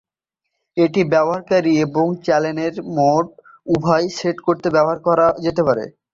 এটি ব্যবহারকারী এবং চ্যানেল মোড উভয় সেট করতে ব্যবহার করা যেতে পারে।